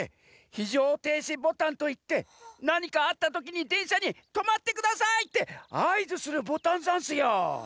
ひじょうていしボタンといってなにかあったときにでんしゃに「とまってください」ってあいずするボタンざんすよ。